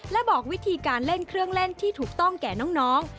และบอกวิธีการเล่นเครื่องเล่นที่ถูกต้องแก่น้อง